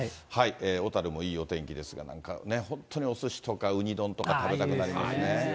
小樽もいいお天気ですが、なんか、本当におすしとか、ウニ丼とか食べたくなりますね。